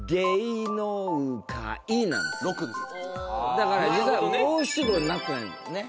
だから実は５・７・５になってないのよね。